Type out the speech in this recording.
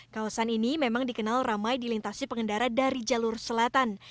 kawasan ini memang dikenal ramai dilintasi pengendara dari jalur selatan